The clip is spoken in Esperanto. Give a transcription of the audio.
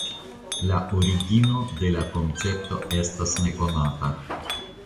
La origino de la koncepto estas nekonata.